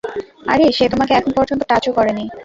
আরে, সে তোমাকে এখন পর্যন্ত টাচ ও করেনি।